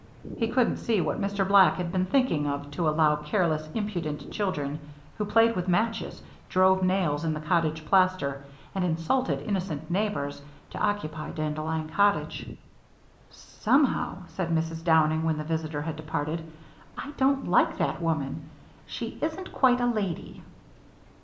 He couldn't see what Mr. Black had been thinking of to allow careless, impudent children who played with matches, drove nails in the cottage plaster, and insulted innocent neighbors, to occupy Dandelion Cottage. "Somehow," said Mrs. Downing, when the visitor had departed, "I don't like that woman. She isn't quite a lady."